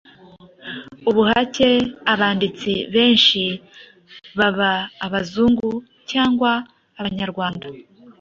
Ubuhake abanditsi benshi, baba Abazungu cyangwa Abanyarwanda